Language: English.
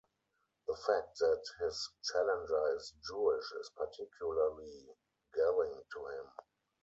The fact that his challenger is Jewish is particularly galling to him.